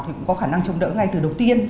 thì cũng có khả năng chống đỡ ngay từ đầu tiên